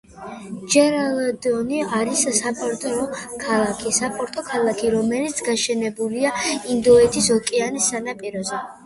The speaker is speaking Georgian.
ჯერალდტონი არის საპორტო ქალაქი, რომელიც გაშენებულია ინდოეთის ოკეანის სანაპიროზე.